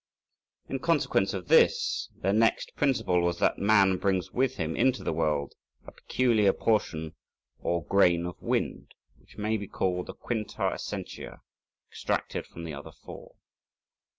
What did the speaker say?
In consequence of this, their next principle was that man brings with him into the world a peculiar portion or grain of wind, which may be called a quinta essentia extracted from the other four.